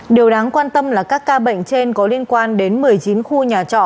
điều đáng quan tâm là các ca bệnh trên có liên quan đến một mươi chín khu nhà trọ